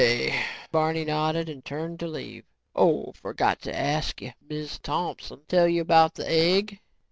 K.," Barney nodded and turned to leave. "Oh, forgot to ask you. Miz Thompson tell you about the egg?"